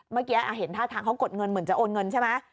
เมื่อกี้เห็นท่าทางเขากดเงินเหมือนจะโอนเงินใช่ไหม